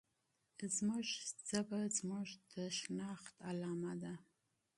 زموږ ژبه زموږ د هویت نښه ده.